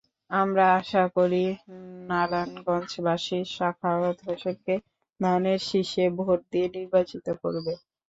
আমরা আশা করি, নারায়ণগঞ্জবাসী সাখাওয়াত হোসেনকে ধানের শীষে ভোট দিয়ে নির্বাচিত করবে।